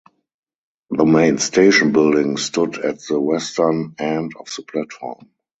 The main station building stood at the western end of the platform.